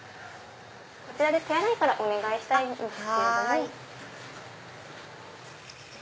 こちらで手洗いからお願いしたいんですけれども。